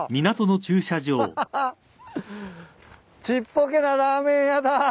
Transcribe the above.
ちっぽけなラーメン屋だ。